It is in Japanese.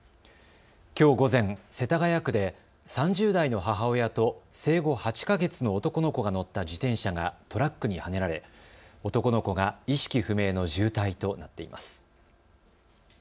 きょう午前、世田谷区で３０代の母親と生後８か月の男の子が乗った自転車がトラックにはねられ男の子が意識不明の重体となっています。